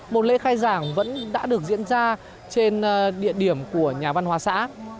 một lễ khai giảng vẫn đã được diễn ra trên địa điểm của nhà văn hóa xã